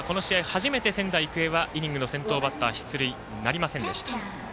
初めて仙台育英はイニングの先頭バッター出塁なりませんでした。